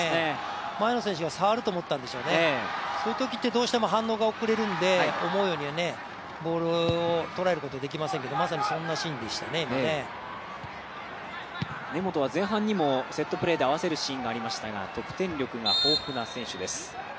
前の選手が触ると思ったんでしょうね、そういうときはどうしても反応が遅れますので思うようにボールをとらえることはできませんけど根本は前半にもセットプレーで合わせるシーンがありましたが得点力が豊富な選手です。